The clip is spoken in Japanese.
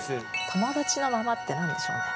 「友達のまま」って何でしょうね。